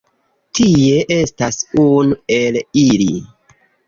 Tie estas unu el ili